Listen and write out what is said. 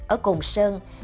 ở cùng sơn